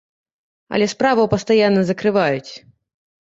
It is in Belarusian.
Але справу пастаянна закрываюць.